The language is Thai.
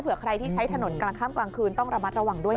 ใครที่ใช้ถนนกลางข้ามกลางคืนต้องระมัดระวังด้วยค่ะ